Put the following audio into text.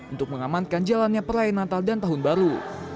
untuk mengamankan jalannya perayaan natal dan tahun baru